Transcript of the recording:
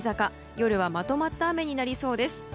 夜はまとまった雨になりそうです。